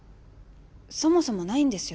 そもそもないんですよ